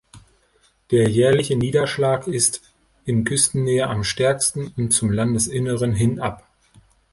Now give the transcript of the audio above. Der jährliche Niederschlag ist in Küstennähe am stärksten und zum Landesinneren hin ab.